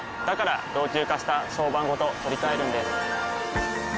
から老朽化した床版ごと取り替えるんです。